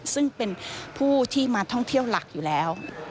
ซึ่งเป็นผู้ที่มาท่องเที่ยวหลักอยู่แล้ว